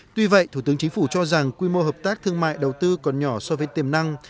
tuy vậy thủ tướng chính phủ cho rằng quy mô hợp tác thương mại đầu tư còn nhỏ so với tiềm năng